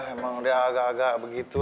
emang dia agak agak begitu